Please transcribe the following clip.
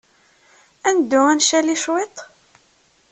Ad neddu ad ncali cwiṭ?